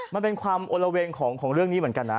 มันเป็นความโอละเวงของเรื่องนี้เหมือนกันนะ